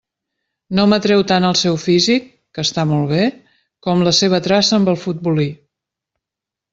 No m'atreu tant el seu físic, que està molt bé, com la seva traça amb el futbolí.